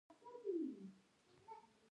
د ابریشم تنګی په کابل سیند کې دی